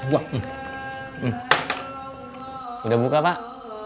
udah buka pak